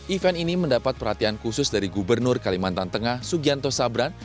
event ini mendapat perhatian khusus dari gubernur kalimantan tengah sugianto sabran